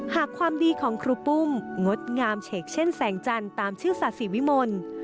หากความดีของครูปุ้มงดงามเฉกเช่นแสงจันทร์ตามชื่อศาสิวิมล